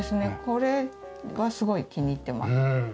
これはすごい気に入ってます。